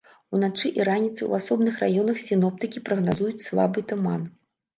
Уначы і раніцай у асобных раёнах сіноптыкі прагназуюць слабы туман.